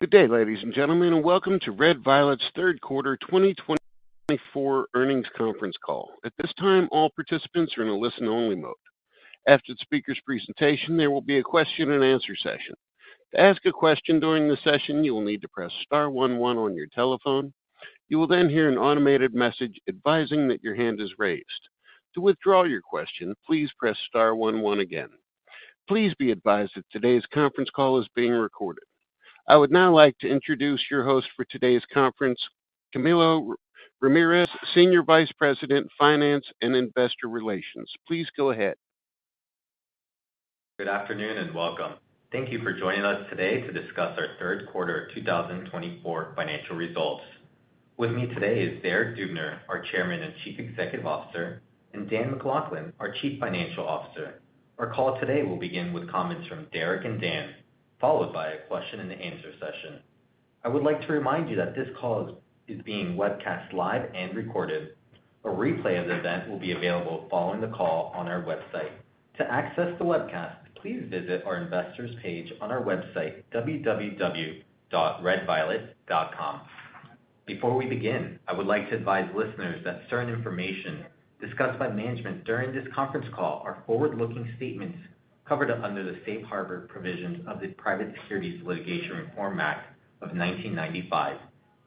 Good day, ladies and gentlemen, and welcome to Red Violet's third quarter 2024 earnings conference call. At this time, all participants are in a listen-only mode. After the speaker's presentation, there will be a question-and-answer session. To ask a question during the session, you will need to press star one one on your telephone. You will then hear an automated message advising that your hand is raised. To withdraw your question, please press star one one again. Please be advised that today's conference call is being recorded. I would now like to introduce your host for today's conference, Camilo Ramirez, Senior Vice President, Finance and Investor Relations. Please go ahead. Good afternoon and welcome. Thank you for joining us today to discuss our third quarter 2024 financial results. With me today is Derek Dubner, our Chairman and Chief Executive Officer, and Dan MacLachlan, our Chief Financial Officer. Our call today will begin with comments from Derek and Dan, followed by a question-and-answer session. I would like to remind you that this call is being webcast live and recorded. A replay of the event will be available following the call on our website. To access the webcast, please visit our investors page on our website, www.redviolet.com. Before we begin, I would like to advise listeners that certain information discussed by management during this conference call are forward-looking statements covered under the Safe Harbor provisions of the Private Securities Litigation Reform Act of 1995.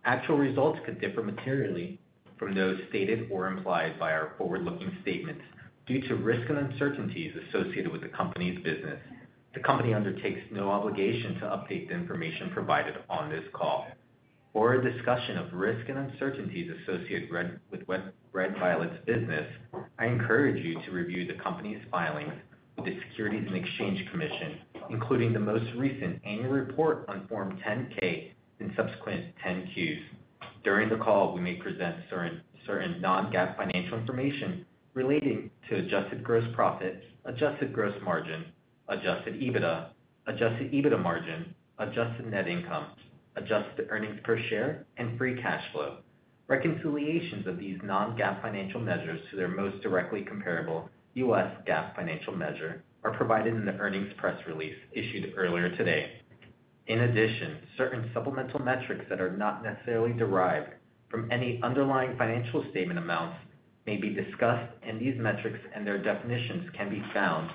Actual results could differ materially from those stated or implied by our forward-looking statements due to risk and uncertainties associated with the company's business. The company undertakes no obligation to update the information provided on this call. For a discussion of risk and uncertainties associated with Red Violet's business, I encourage you to review the company's filings with the Securities and Exchange Commission, including the most recent annual report on Form 10-K and subsequent 10-Qs. During the call, we may present certain non-GAAP financial information relating to adjusted gross profit, adjusted gross margin, adjusted EBITDA, adjusted EBITDA margin, adjusted net income, adjusted earnings per share, and free cash flow. Reconciliations of these non-GAAP financial measures to their most directly comparable U.S. GAAP financial measure are provided in the earnings press release issued earlier today. In addition, certain supplemental metrics that are not necessarily derived from any underlying financial statement amounts may be discussed, and these metrics and their definitions can be found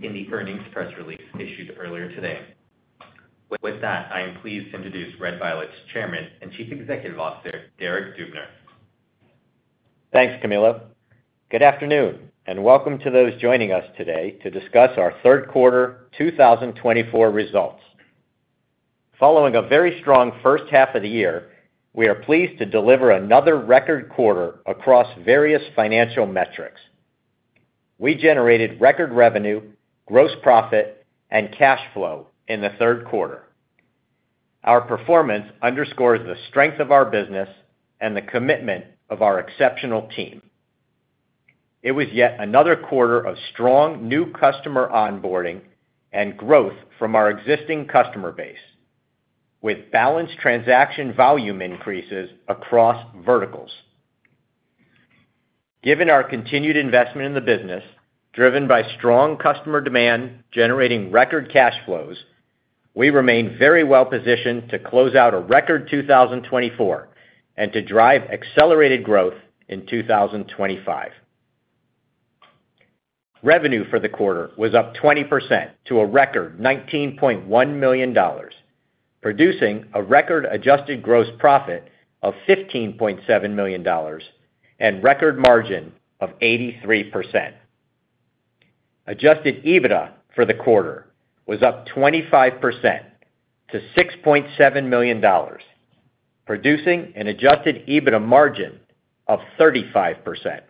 in the earnings press release issued earlier today. With that, I am pleased to introduce Red Violet's Chairman and Chief Executive Officer, Derek Dubner. Thanks, Camilo. Good afternoon, and welcome to those joining us today to discuss our third quarter 2024 results. Following a very strong first half of the year, we are pleased to deliver another record quarter across various financial metrics. We generated record revenue, gross profit, and cash flow in the third quarter. Our performance underscores the strength of our business and the commitment of our exceptional team. It was yet another quarter of strong new customer onboarding and growth from our existing customer base, with balanced transaction volume increases across verticals. Given our continued investment in the business, driven by strong customer demand generating record cash flows, we remain very well positioned to close out a record 2024 and to drive accelerated growth in 2025. Revenue for the quarter was up 20% to a record $19.1 million, producing a record adjusted gross profit of $15.7 million and record margin of 83%. Adjusted EBITDA for the quarter was up 25% to $6.7 million, producing an adjusted EBITDA margin of 35%.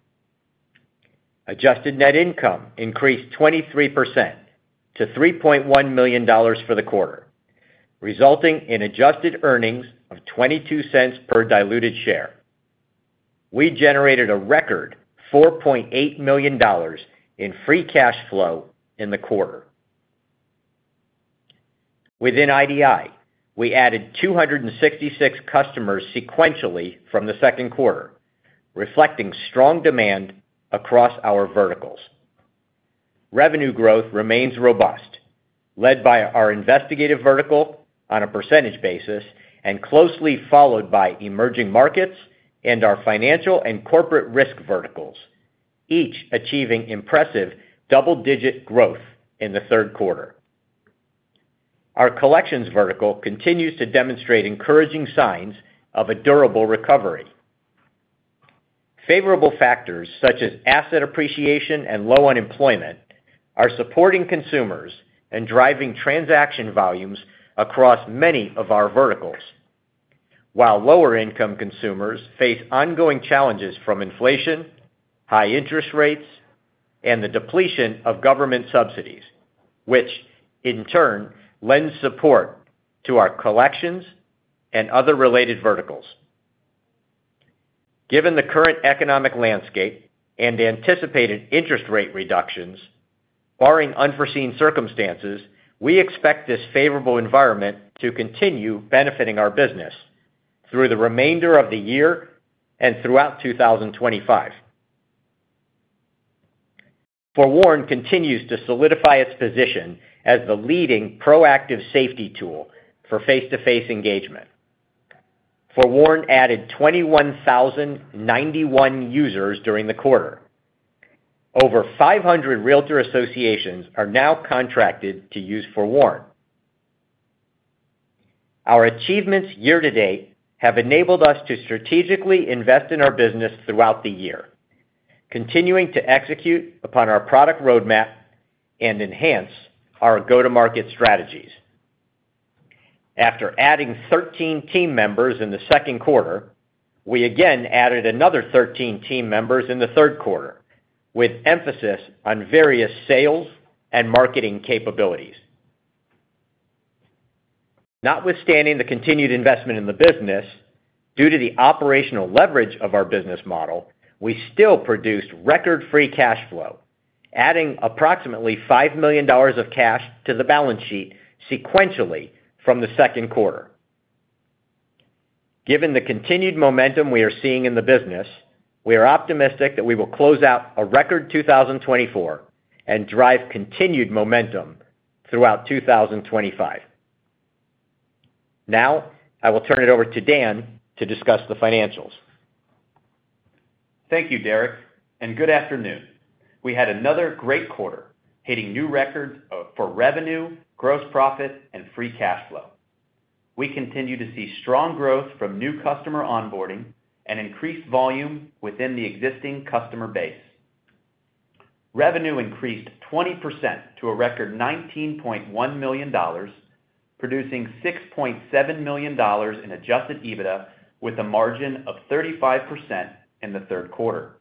Adjusted net income increased 23% to $3.1 million for the quarter, resulting in adjusted earnings of $0.22 per diluted share. We generated a record $4.8 million in free cash flow in the quarter. Within IDI, we added 266 customers sequentially from the second quarter, reflecting strong demand across our verticals. Revenue growth remains robust, led by our investigative vertical on a percentage basis and closely followed by emerging markets and our financial and corporate risk verticals, each achieving impressive double-digit growth in the third quarter. Our collections vertical continues to demonstrate encouraging signs of a durable recovery. Favorable factors such as asset appreciation and low unemployment are supporting consumers and driving transaction volumes across many of our verticals, while lower-income consumers face ongoing challenges from inflation, high interest rates, and the depletion of government subsidies, which in turn lends support to our collections and other related verticals. Given the current economic landscape and anticipated interest rate reductions, barring unforeseen circumstances, we expect this favorable environment to continue benefiting our business through the remainder of the year and throughout 2025. FOREWARN continues to solidify its position as the leading proactive safety tool for face-to-face engagement. FOREWARN added 21,091 users during the quarter. Over 500 Realtor associations are now contracted to use FOREWARN. Our achievements year-to-date have enabled us to strategically invest in our business throughout the year, continuing to execute upon our product roadmap and enhance our go-to-market strategies. After adding 13 team members in the second quarter, we again added another 13 team members in the third quarter, with emphasis on various sales and marketing capabilities. Notwithstanding the continued investment in the business, due to the operational leverage of our business model, we still produced record free cash flow, adding approximately $5 million of cash to the balance sheet sequentially from the second quarter. Given the continued momentum we are seeing in the business, we are optimistic that we will close out a record 2024 and drive continued momentum throughout 2025. Now, I will turn it over to Dan to discuss the financials. Thank you, Derek, and good afternoon. We had another great quarter, hitting new records for revenue, gross profit, and free cash flow. We continue to see strong growth from new customer onboarding and increased volume within the existing customer base. Revenue increased 20% to a record $19.1 million, producing $6.7 million in Adjusted EBITDA with a margin of 35% in the third quarter.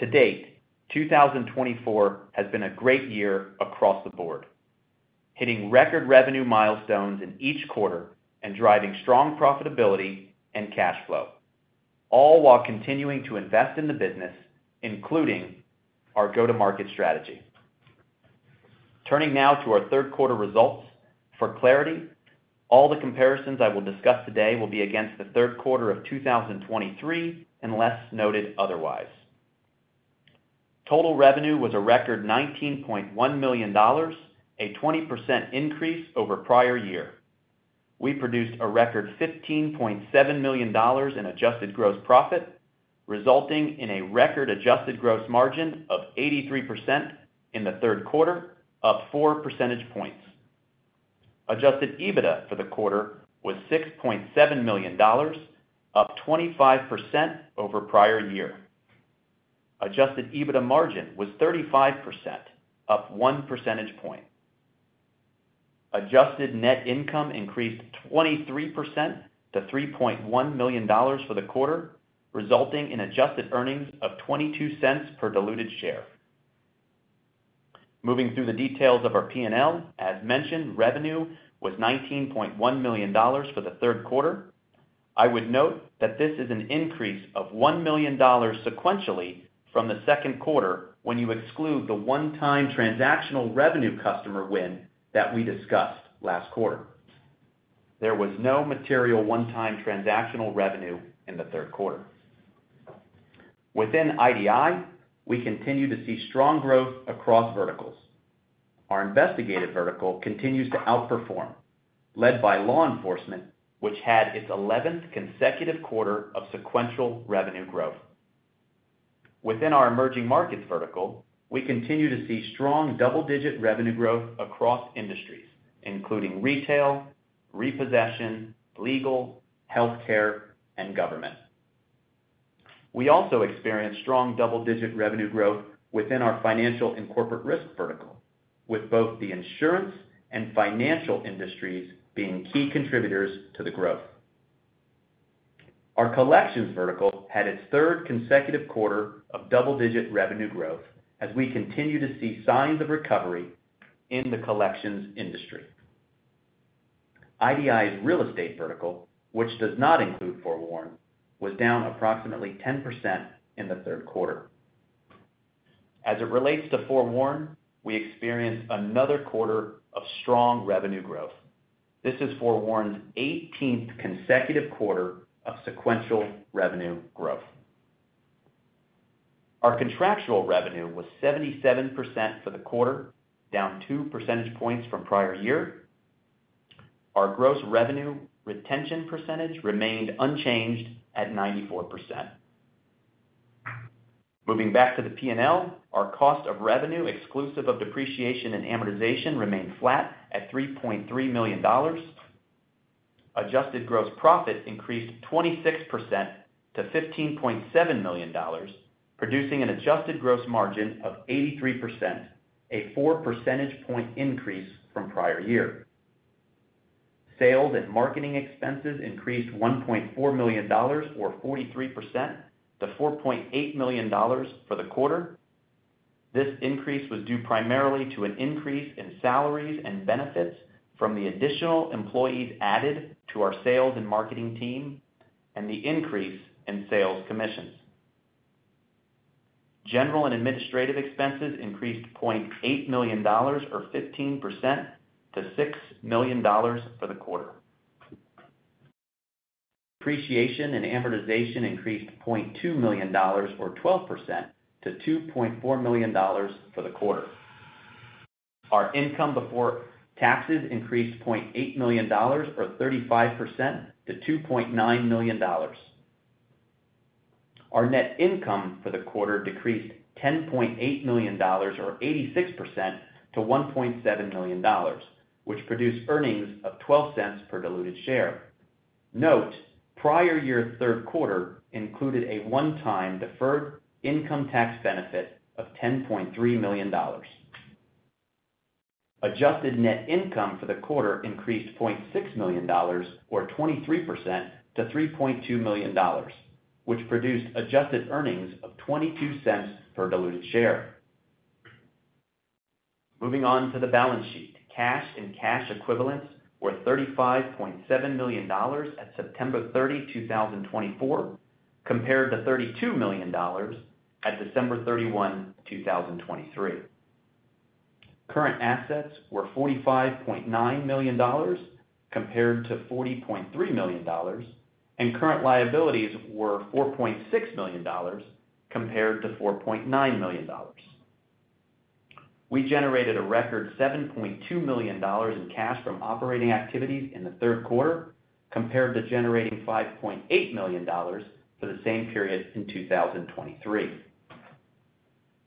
To date, 2024 has been a great year across the board, hitting record revenue milestones in each quarter and driving strong profitability and cash flow, all while continuing to invest in the business, including our go-to-market strategy. Turning now to our third quarter results, for clarity, all the comparisons I will discuss today will be against the third quarter of 2023 unless noted otherwise. Total revenue was a record $19.1 million, a 20% increase over prior year. We produced a record $15.7 million in adjusted gross profit, resulting in a record adjusted gross margin of 83% in the third quarter, up 4 percentage points. Adjusted EBITDA for the quarter was $6.7 million, up 25% over prior year. Adjusted EBITDA margin was 35%, up one percentage point. Adjusted net income increased 23% to $3.1 million for the quarter, resulting in adjusted earnings of $0.22 per diluted share. Moving through the details of our P&L, as mentioned, revenue was $19.1 million for the third quarter. I would note that this is an increase of $1 million sequentially from the second quarter when you exclude the one-time transactional revenue customer win that we discussed last quarter. There was no material one-time transactional revenue in the third quarter. Within IDI, we continue to see strong growth across verticals. Our investigative vertical continues to outperform, led by law enforcement, which had its 11th consecutive quarter of sequential revenue growth. Within our emerging markets vertical, we continue to see strong double-digit revenue growth across industries, including retail, repossession, legal, healthcare, and government. We also experienced strong double-digit revenue growth within our financial and corporate risk vertical, with both the insurance and financial industries being key contributors to the growth. Our collections vertical had its third consecutive quarter of double-digit revenue growth as we continue to see signs of recovery in the collections industry. IDI's real estate vertical, which does not include FOREWARN, was down approximately 10% in the third quarter. As it relates to FOREWARN, we experienced another quarter of strong revenue growth. This is FOREWARN's 18th consecutive quarter of sequential revenue growth. Our contractual revenue was 77% for the quarter, down 2 percentage points from prior year. Our gross revenue retention percentage remained unchanged at 94%. Moving back to the P&L, our cost of revenue exclusive of depreciation and amortization remained flat at $3.3 million. Adjusted gross profit increased 26% to $15.7 million, producing an adjusted gross margin of 83%, a 4 percentage point increase from prior year. Sales and marketing expenses increased $1.4 million, or 43%, to $4.8 million for the quarter. This increase was due primarily to an increase in salaries and benefits from the additional employees added to our sales and marketing team and the increase in sales commissions. General and administrative expenses increased $0.8 million, or 15%, to $6 million for the quarter. Depreciation and amortization increased $0.2 million, or 12%, to $2.4 million for the quarter. Our income before taxes increased $0.8 million, or 35%, to $2.9 million. Our net income for the quarter decreased $10.8 million, or 86%, to $1.7 million, which produced earnings of $0.12 per diluted share. Note prior year third quarter included a one-time deferred income tax benefit of $10.3 million. Adjusted net income for the quarter increased $0.6 million, or 23%, to $3.2 million, which produced adjusted earnings of $0.22 per diluted share. Moving on to the balance sheet, cash and cash equivalents were $35.7 million at September 30, 2024, compared to $32 million at December 31, 2023. Current assets were $45.9 million compared to $40.3 million, and current liabilities were $4.6 million compared to $4.9 million. We generated a record $7.2 million in cash from operating activities in the third quarter, compared to generating $5.8 million for the same period in 2023.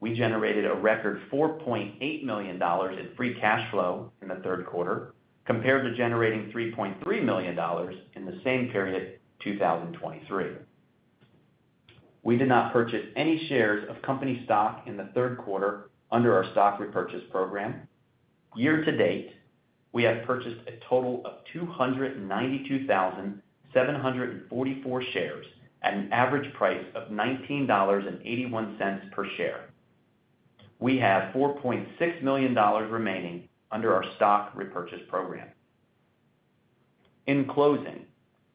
We generated a record $4.8 million in free cash flow in the third quarter, compared to generating $3.3 million in the same period, 2023. We did not purchase any shares of company stock in the third quarter under our stock repurchase program. Year-to-date, we have purchased a total of 292,744 shares at an average price of $19.81 per share. We have $4.6 million remaining under our stock repurchase program. In closing,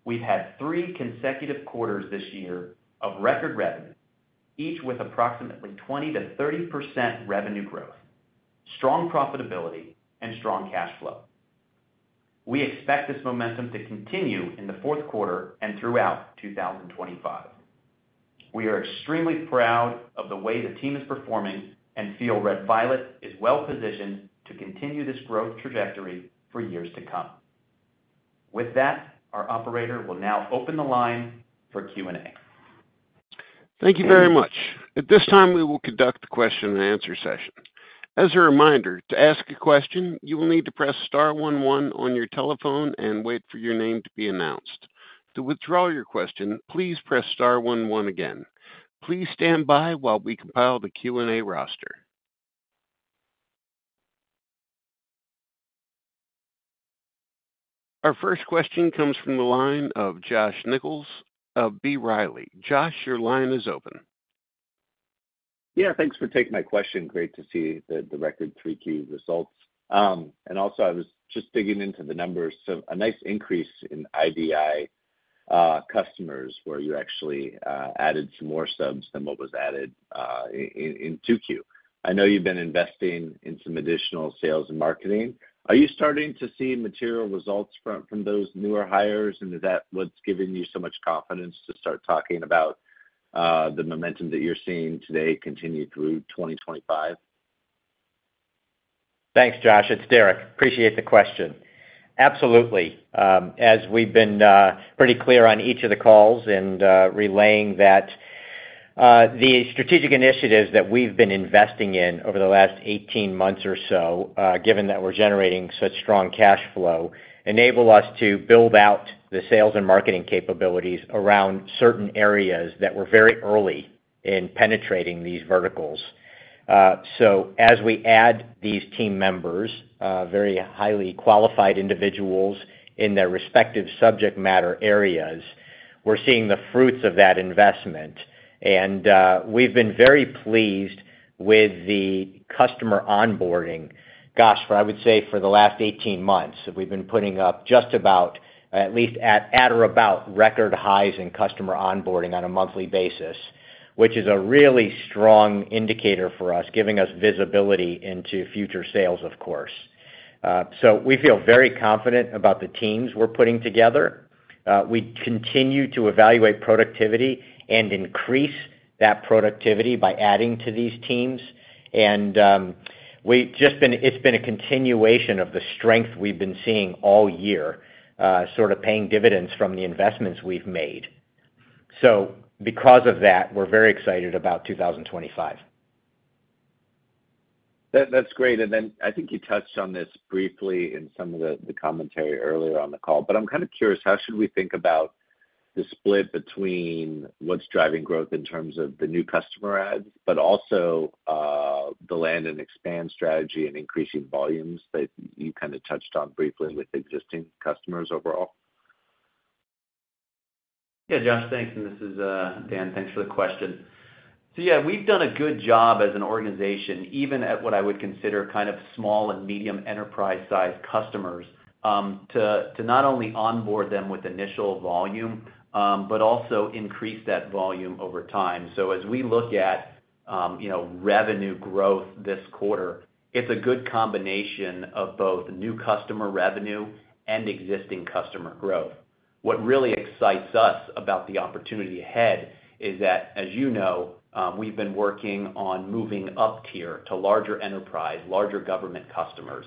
we've had three consecutive quarters this year of record revenue, each with approximately 20% to 30% revenue growth, strong profitability, and strong cash flow. We expect this momentum to continue in the fourth quarter and throughout 2025. We are extremely proud of the way the team is performing and feel Red Violet is well positioned to continue this growth trajectory for years to come. With that, our operator will now open the line for Q&A. Thank you very much. At this time, we will conduct the question-and-answer session. As a reminder, to ask a question, you will need to press star one one on your telephone and wait for your name to be announced. To withdraw your question, please press star one oneagain. Please stand by while we compile the Q&A roster. Our first question comes from the line of Josh Nichols of B. Riley. Josh, your line is open. Yeah, thanks for taking my question. Great to see the record 3Q results. And also, I was just digging into the numbers. So a nice increase in IDI customers where you actually added some more subs than what was added in 2Q. I know you've been investing in some additional sales and marketing. Are you starting to see material results from those newer hires? And is that what's giving you so much confidence to start talking about the momentum that you're seeing today continue through 2025? Thanks, Josh. It's Derek. Appreciate the question. Absolutely. As we've been pretty clear on each of the calls and relaying that the strategic initiatives that we've been investing in over the last 18 months or so, given that we're generating such strong cash flow, enable us to build out the sales and marketing capabilities around certain areas that were very early in penetrating these verticals, so as we add these team members, very highly qualified individuals in their respective subject matter areas, we're seeing the fruits of that investment, and we've been very pleased with the customer onboarding. Gosh, I would say for the last 18 months, we've been putting up just about, at least at or about, record highs in customer onboarding on a monthly basis, which is a really strong indicator for us, giving us visibility into future sales, of course. So we feel very confident about the teams we're putting together. We continue to evaluate productivity and increase that productivity by adding to these teams. And it's been a continuation of the strength we've been seeing all year, sort of paying dividends from the investments we've made. So because of that, we're very excited about 2025. That's great. And then I think you touched on this briefly in some of the commentary earlier on the call, but I'm kind of curious, how should we think about the split between what's driving growth in terms of the new customer adds, but also the land and expand strategy and increasing volumes that you kind of touched on briefly with existing customers overall? Yeah, Josh, thanks. And this is Dan. Thanks for the question. So yeah, we've done a good job as an organization, even at what I would consider kind of small and medium enterprise-sized customers, to not only onboard them with initial volume, but also increase that volume over time. So as we look at revenue growth this quarter, it's a good combination of both new customer revenue and existing customer growth. What really excites us about the opportunity ahead is that, as you know, we've been working on moving up tier to larger enterprise, larger government customers.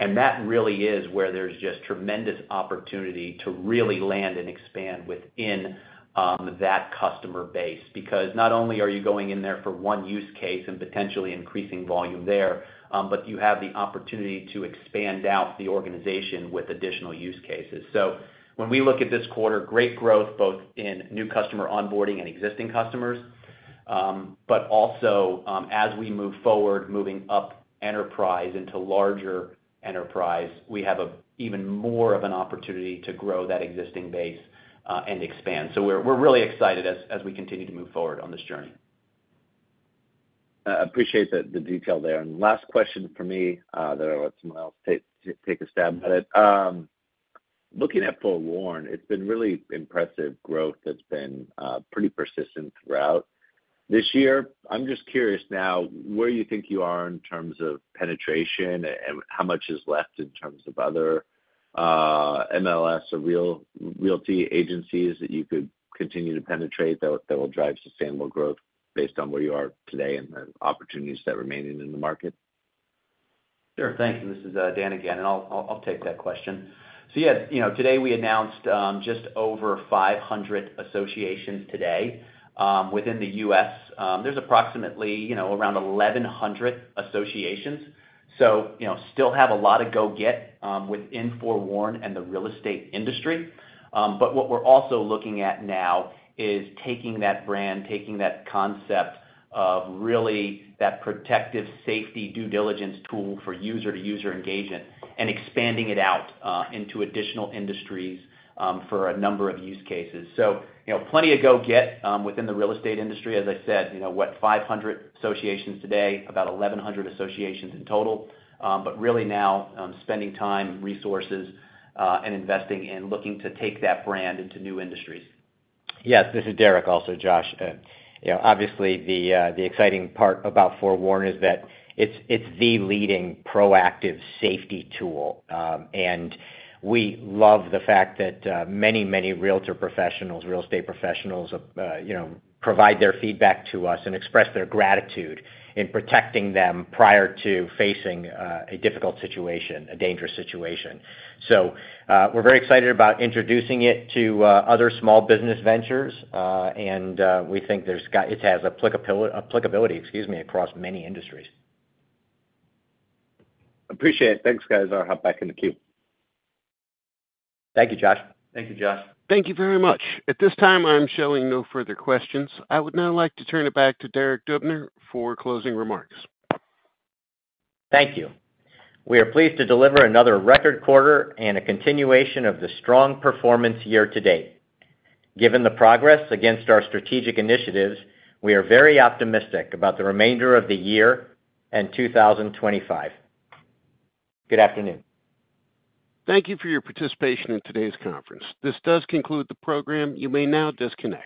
And that really is where there's just tremendous opportunity to really land and expand within that customer base. Because not only are you going in there for one use case and potentially increasing volume there, but you have the opportunity to expand out the organization with additional use cases. So when we look at this quarter, great growth both in new customer onboarding and existing customers. But also, as we move forward, moving up enterprise into larger enterprise, we have even more of an opportunity to grow that existing base and expand. So we're really excited as we continue to move forward on this journey. I appreciate the detail there, and last question for me, then I'll let someone else take a stab at it. Looking at FOREWARN, it's been really impressive growth that's been pretty persistent throughout this year. I'm just curious now, where do you think you are in terms of penetration and how much is left in terms of other MLS or realty agencies that you could continue to penetrate that will drive sustainable growth based on where you are today and the opportunities that remain in the market? Sure. Thanks. And this is Dan again. And I'll take that question. So yeah, today we announced just over 500 associations today within the U.S. There's approximately around 1,100 associations. So still have a lot of go-get within FOREWARN and the real estate industry. But what we're also looking at now is taking that brand, taking that concept of really that protective safety due diligence tool for user-to-user engagement and expanding it out into additional industries for a number of use cases. So plenty of go-get within the real estate industry. As I said, what, 500 associations today, about 1,100 associations in total. But really now spending time, resources, and investing in looking to take that brand into new industries. Yes, this is Derek also, Josh. Obviously, the exciting part about FOREWARN is that it's the leading proactive safety tool. And we love the fact that many, many realtor professionals, real estate professionals provide their feedback to us and express their gratitude in protecting them prior to facing a difficult situation, a dangerous situation. So we're very excited about introducing it to other small business ventures. And we think it has applicability, excuse me, across many industries. Appreciate it. Thanks, guys. I'll hop back in the queue. Thank you, Josh. Thank you, Josh. Thank you very much. At this time, I'm showing no further questions. I would now like to turn it back to Derek Dubner for closing remarks. Thank you. We are pleased to deliver another record quarter and a continuation of the strong performance year to date. Given the progress against our strategic initiatives, we are very optimistic about the remainder of the year and 2025. Good afternoon. Thank you for your participation in today's conference. This does conclude the program. You may now disconnect.